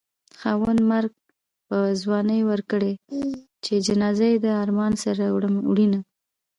خاونده مرګ په ځوانۍ ورکړې چې جنازه يې د ارمانه سره وړينه